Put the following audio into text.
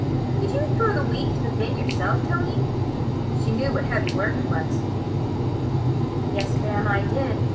"Could you throw the wheat into the bin yourself, Tony?" She knew what heavy work it was. "Yes, mam, I did.